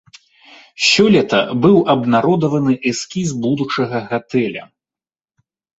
Сёлета быў абнародаваны эскіз будучага гатэля.